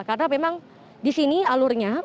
karena memang di sini alurnya